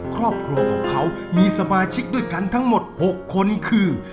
ครอบครัวของเขามีสมาชิกด้วยกันทั้งหมด๖คนคือ